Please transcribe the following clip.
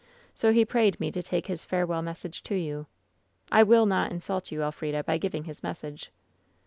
So, he prayed me to take his farewell message to you. I will not insult you, El frida, by giving his message.'